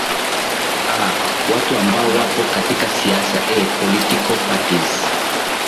aa watu ambao wapo katika siasa ee political parties